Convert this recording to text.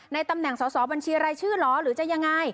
ตำแหน่งสอบบัญชีรายชื่อเหรอหรือจะยังไง